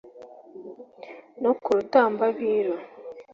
no ku rutambabiru